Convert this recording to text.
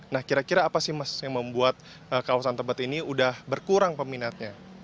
nah kira kira apa sih mas yang membuat kawasan tebet ini udah berkurang peminatnya